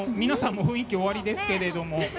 皆さんも雰囲気おありですけど。